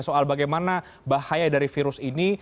soal bagaimana bahaya dari virus ini